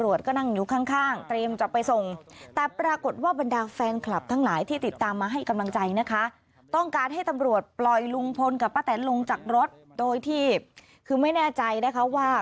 ลุงพลกับป้าแตนลงจากรถโดยที่คือไม่แน่ใจนะคะว่า